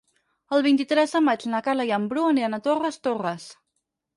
El vint-i-tres de maig na Carla i en Bru aniran a Torres Torres.